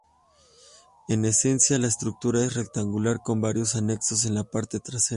En esencia, la estructura es rectangular, con varios anexos en la parte trasera.